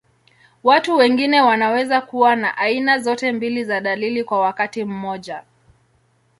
Watu wengine wanaweza kuwa na aina zote mbili za dalili kwa wakati mmoja.